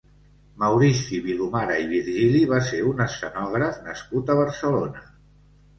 Maurici Vilomara i Virgili va ser un escenògraf nascut a Barcelona.